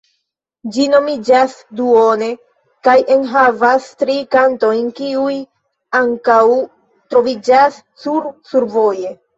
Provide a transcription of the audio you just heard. Ĝi nomiĝas "Duone" kaj enhavas tri kantojn kiuj ankaŭ troviĝas sur "Survoje".